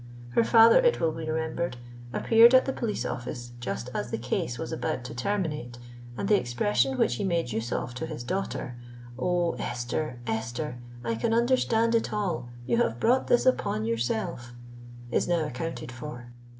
Her father, it will be remembered, appeared at the police office just as the case was about to terminate; and the expression which he made use of to his daughter,—"Oh! Esther—Esther, I can understand it all! You have brought this upon yourself!"—is now accounted for.